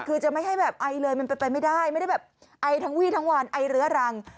คือจะไม่ให้แบบไอเลยมันเป็นไปไม่ได้ไม่ได้แบบไอทั้งวี่ทั้งวันไอเรื้อรัง